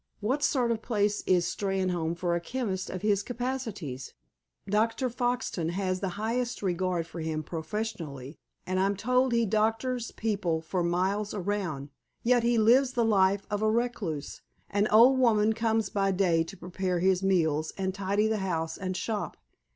What sort of place is Steynholme for a chemist of his capacities? Dr. Foxton has the highest regard for him professionally, and I'm told he doctors people for miles around. Yet he lives the life of a recluse. An old woman comes by day to prepare his meals, and tidy the house and shop.